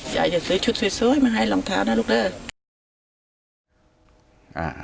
อย่าซื้อชุดสวยมาให้รองเท้านะลูกเด้อ